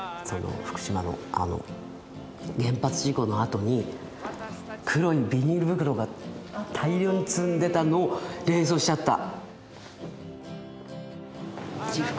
福島のあの原発事故のあとに黒いビニール袋が大量に積んでたのを連想しちゃった。